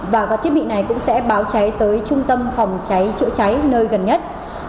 và thiết bị này cũng sẽ báo cháy tới trung tâm phòng cháy chữa cháy nơi gần nhất